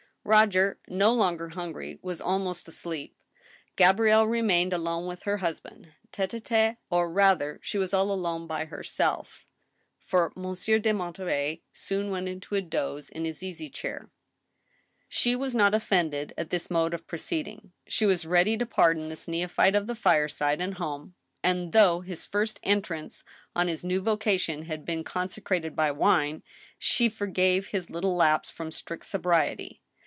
Roger, no longer hungry, was almost asleep, Gabrielle remained alone with her husband tite h tite, or rather she was all alone ,by herself, for Monsieur de Monterey soon went into a doze in his easy chair. She was not offended at this mode of proceeding. She was ready to pardon this neophyte of the fireside and home, and, though his first entrance on his new vocation had been consecrated by wine, she forgave his little lapse from strict sobriety.